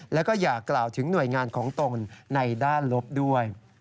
แล้วก็อยากกล่าวถึงหน่วยงานของตนในด้านลบด้วย